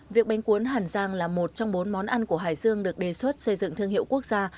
việc bánh cuốn hàn giang là một trong bốn món ăn của hải dương được đề xuất xây dựng thương hiệu quốc gia